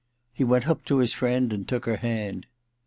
He went up to his friend and took her hand.